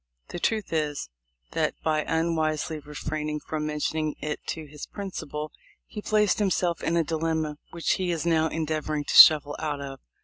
The truth is, that, by unwisely refraining from mentioning it to his principal, he placed himself in a dilemma which he is now endeavoring to shuffle out of.